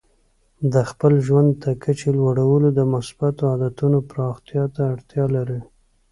د خپل ژوند د کچې لوړول د مثبتو عادتونو پراختیا ته اړتیا لري.